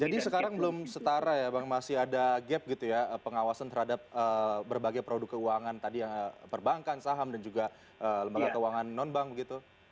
jadi sekarang belum setara ya bang masih ada gap gitu ya pengawasan terhadap berbagai produk keuangan tadi yang perbankan saham dan juga lembaga keuangan non bank gitu